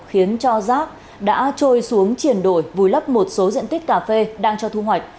khiến cho rác đã trôi xuống triển đổi vùi lấp một số diện tích cà phê đang cho thu hoạch